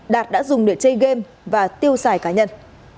đạt đã dùng để chơi game và tiêu xài cá nhân